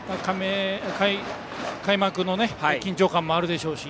開幕の緊張感もあるでしょうし